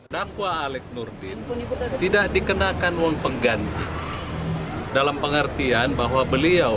dakwa aleg nurdin tidak dikenakan uang pengganti dalam pengertian bahwa beliau